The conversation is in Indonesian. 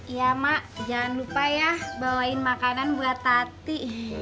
ya mak jangan lupa ya bawain makanan buat tati